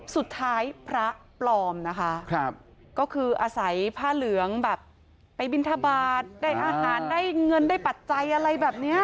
พระปลอมนะคะก็คืออาศัยผ้าเหลืองแบบไปบินทบาทได้อาหารได้เงินได้ปัจจัยอะไรแบบเนี้ย